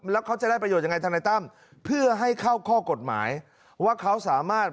แล้วเขาจะได้ประโยชนยังไงทนายตั้มเพื่อให้เข้าข้อกฎหมายว่าเขาสามารถ